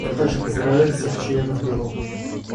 Я также поздравляю всех членов Бюро.